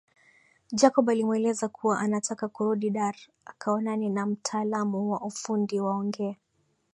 Jacob alimueleza kuwa anataka kurudi dar akaonane na mtaalamu wa ufundi waongee